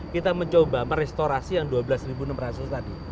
kita mencoba merestorasi yang dua belas enam ratus tadi